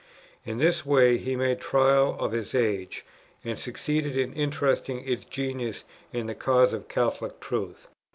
In this way he made trial of his age, and succeeded in interesting its genius in the cause of Catholic truth."